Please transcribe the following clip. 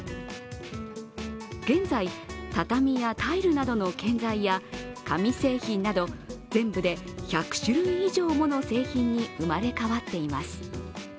現在、畳やタイルなどの建材や紙製品など全部で１００種類以上もの製品に生まれ変わっています。